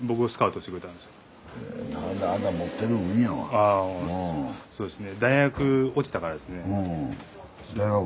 あぁそうですね。